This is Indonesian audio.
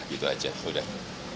gitu aja udah